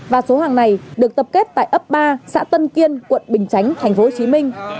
và số hàng này được tập kết tại ấp ba xã tân kiên quận bình chánh tp hcm